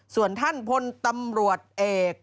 ส่วนท่านพลตำรวจเอก